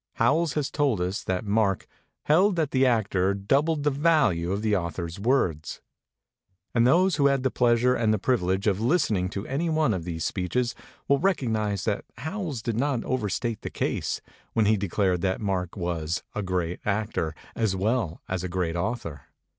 Howells has told us that Mark "held that the actor doubled the value of the author's words." And those who had the pleasure and the privilege of listen ing to anyone of these speeches will recognize that Howells did not overstate the case, when he declared that Mark "was a great actor as well as a great author.